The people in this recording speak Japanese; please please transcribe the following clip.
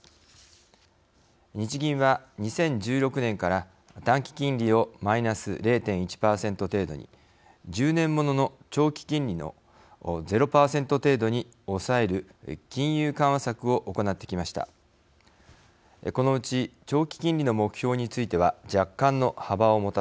日銀は２０１６年から短期金利をマイナス０．１％程度に１０年ものの長期金利の０％程度に抑える金融緩和策を行ってきました。